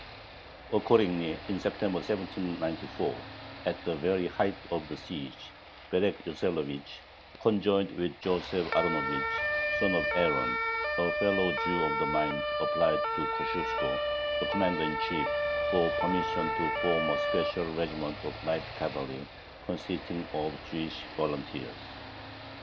Accordingly, in September, 1794, at the very height of the siege, Berek Yoselovich, conjointly with Joseph Aronovich (son of Aaron), a fellow Jew of like mind, applied to Kosciuszko, the commander in chief, for permission to form a special regiment of light cavalry consisting of Jewish volunteers.